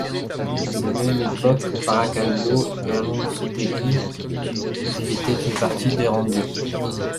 À cette même époque Barakaldo et Alonsotegi étaient une partie d'Erandio.